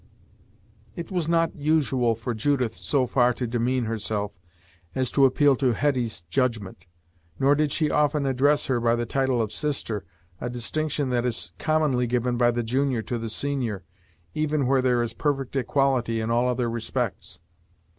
It was not usual for Judith so far to demean herself as to appeal to Hetty's judgment. Nor did she often address her by the title of sister, a distinction that is commonly given by the junior to the senior, even where there is perfect equality in all other respects.